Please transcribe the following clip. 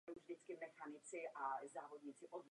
Kritiky psal pod sedmi různými pseudonymy.